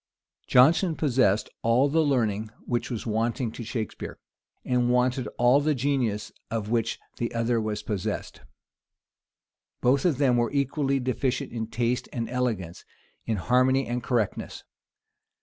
PLIN Jonson possessed all the learning which was wanting to Shakspeare, and wanted all the genius of which the other was possessed. Both of them were equally deficient in taste and elegance, in harmony and correctness.